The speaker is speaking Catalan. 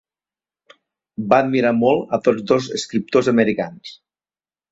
Va admirar molt a tots dos escriptors americans.